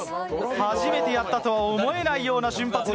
初めてやったとは思えないような瞬発。